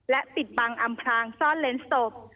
และปิดบังอำพลางซ่อนเล้นศพ